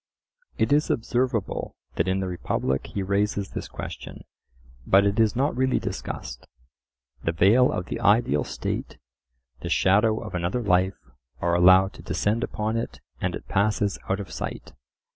It is observable that in the Republic he raises this question, but it is not really discussed; the veil of the ideal state, the shadow of another life, are allowed to descend upon it and it passes out of sight.